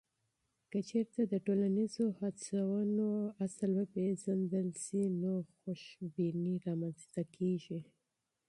که چیرته د ټولنیزو هڅونو اصل وپېژندل سي، نو خوشبیني رامنځته کیږي.